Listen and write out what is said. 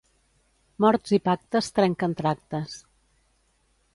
Morts i pactes trenquen tractes.